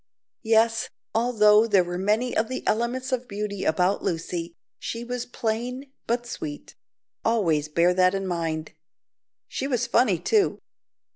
Yes, although there were many of the elements of beauty about Lucy, she was plain but sweet; always bear that in mind. She was funny too.